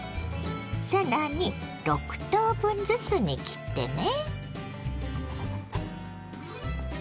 更に６等分ずつに切ってね。